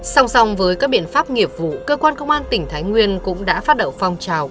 song song với các biện pháp nghiệp vụ cơ quan công an tỉnh thái nguyên cũng đã phát động phong trào